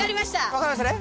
分かりましたね。